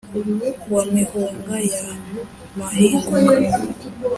wa mihunga ya mahinguka ,